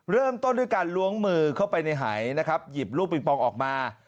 เริ่มต้นด้วยการล้วงมือเข้าไปในหายนะครับหยิบลูกปิงปองออกมา